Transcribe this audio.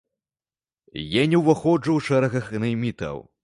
Я не ўваходжу ў шэрагах наймітаў.